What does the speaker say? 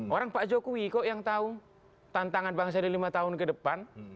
orang pak jokowi kok yang tahu tantangan bangsa dari lima tahun ke depan